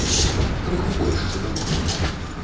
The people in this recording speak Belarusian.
Крыху больш, чым у нас.